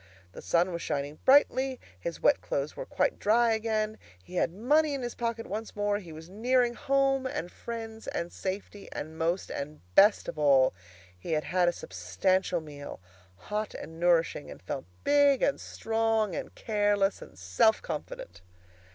The sun was shining brightly, his wet clothes were quite dry again, he had money in his pocket once more, he was nearing home and friends and safety, and, most and best of all, he had had a substantial meal, hot and nourishing, and felt big, and strong, and careless, and self confident.